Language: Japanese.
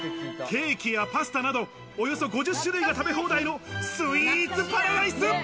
ケーキやパスタなど、およそ５０種類が食べ放題のスイーツパラダイス。